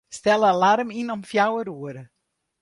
Stel alarm yn om fjouwer oere.